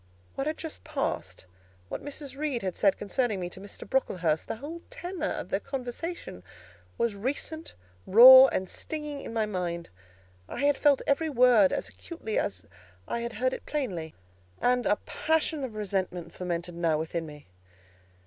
What had just passed; what Mrs. Reed had said concerning me to Mr. Brocklehurst; the whole tenor of their conversation, was recent, raw, and stinging in my mind; I had felt every word as acutely as I had heard it plainly, and a passion of resentment fomented now within me.